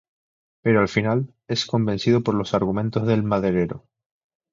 Pero al final, es convencido por los argumentos del maderero.